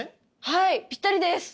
はいぴったりです！